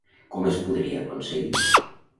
Com es podria aconseguir?